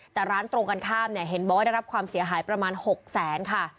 แต่ร้านตรงกันข้ามเนี่ยเห็นบอกว่าได้รับความเสียหายประมาณ๖แสนค่ะ